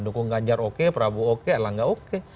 dukung ganjar oke prabowo oke erlangga oke